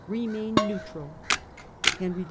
remained neutral, Henry III.